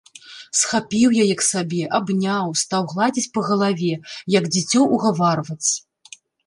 Схапіў яе к сабе, абняў, стаў гладзіць па галаве, як дзіцё, угаварваць.